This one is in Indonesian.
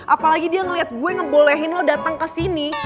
apalagi dia ngeliat gue ngebolehin lo dateng kesini